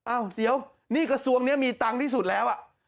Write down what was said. อ้าวเดี๋ยวนี่กระทรวงนี้มีตังค์ที่สุดแล้ว